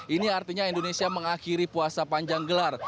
ini artinya indonesia mengakhiri puasa panjang gelar